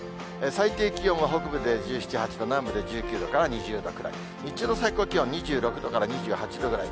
最低気温は北部で１７、８度、南部で１９度から２０度くらい、日中の最高気温、２６度から２８度ぐらい。